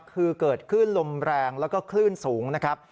คือเกิดขึ้นลมแรงแล้วก็คลื่นสูงนะครับ